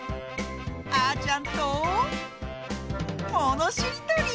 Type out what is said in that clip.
あーちゃんとものしりとり！